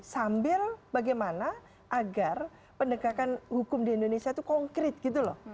sambil bagaimana agar pendekatan hukum di indonesia itu konkret gitu loh